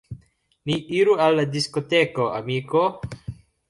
Ni iru al la diskoteko, amiko!